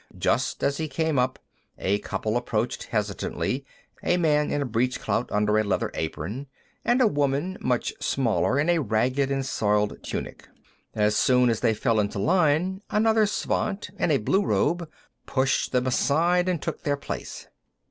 Just as he came up, a couple approached hesitantly, a man in a breechclout under a leather apron, and a woman, much smaller, in a ragged and soiled tunic. As soon as they fell into line, another Svant, in a blue robe, pushed them aside and took their place.